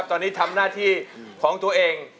ตอนนี้ทำหน้าที่ของตัวเอง